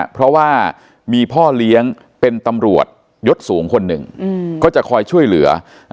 เพราะว่ามีพ่อเลี้ยงเป็นตำรวจยศสูงคนหนึ่งก็จะคอยช่วยเหลือ